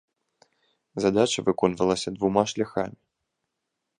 Задача выконвалася двума шляхамі.